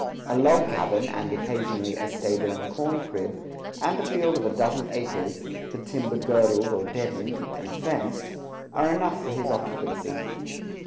A log cabin, and, occasionally, a stable and corn crib, and a field of a dozen acres, the timber girdled or "deadened," and fenced, are enough for his occupancy.